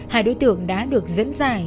hai đối tượng đã được dẫn dài